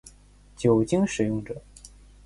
酒精使用者